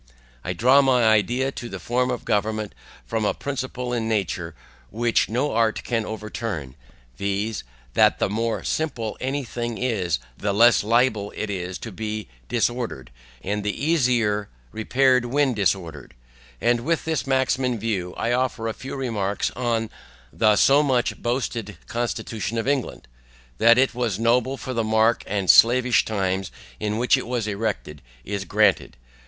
I draw my idea of the form of government from a principle in nature, which no art can overturn, viz. that the more simple any thing is, the less liable it is to be disordered, and the easier repaired when disordered; and with this maxim in view, I offer a few remarks on the so much boasted constitution of England. That it was noble for the dark and slavish times in which it was erected, is granted.